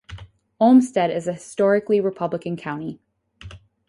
Olmsted is a historically Republican county.